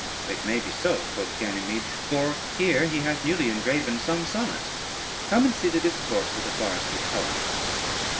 "It may be so," quoth Ganymede, "for here he hath newly engraven some sonnet: come, and see the discourse of the forester's poems."